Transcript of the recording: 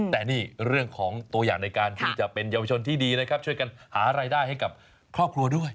แต่นี่เรื่องของตัวอย่างในการที่จะเป็นเยาวชนที่ดีนะครับช่วยกันหารายได้ให้กับครอบครัวด้วย